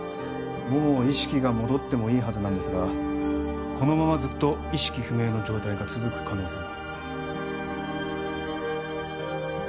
もう意識が戻ってもいいはずなんですがこのままずっと意識不明の状態が続く可能性も。